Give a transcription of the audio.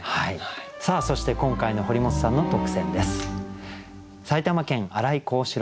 そして今回の堀本さんの特選です。